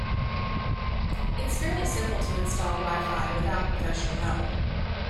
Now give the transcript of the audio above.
It's fairly simple to install wi-fi without professional help.